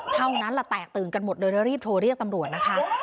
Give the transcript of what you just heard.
เท่านั้นแหละแตกตื่นกันหมดเลยแล้วรีบโทรเรียกตำรวจนะคะ